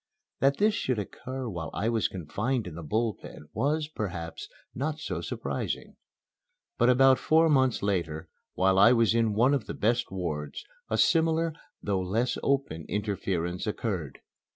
That this should occur while I was confined in the Bull Pen was, perhaps, not so surprising. But about four months later, while I was in one of the best wards, a similar, though less open, interference occurred.